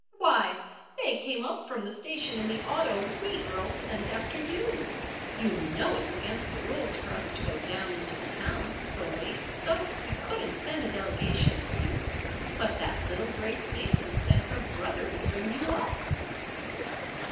"Why, they came up from the station in the auto we girls sent after you. You know it's against the rules for us to go down into the town so late, so we couldn't send a delegation for you; but that little Grace Mason said her brother would bring you up."